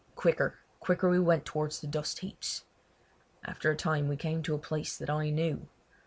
Quicker, quicker we went towards the dust heaps. After a time we came to a place that I knew.